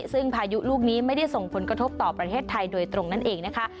ซึ่งพายุลูกนี้ไม่ได้ส่งผลกระทบต่อประเทศไทยโดยตรงนั่นเองนะคะ